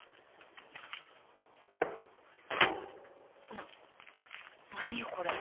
な何よこれ？